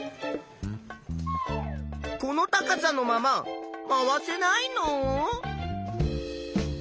この高さのまま回せないの？